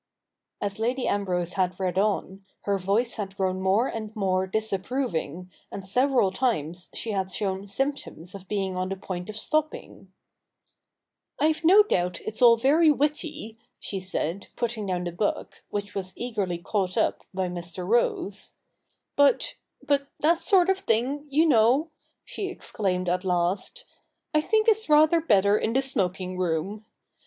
As Lady Ambrose had read on, her voice had grown more and more disapproving, and several times she had shown symptoms of being on the point of stopping. ' I've no doubt it's all very witty,' she said, putting CH. ivj IHE NEW REPUBLIC 179 down the book, which was eagerly caught up by Mr. Rose, ' but — but that sort of thing, you know,' she exclaimed at last, 'I think is rather better in the smoking room.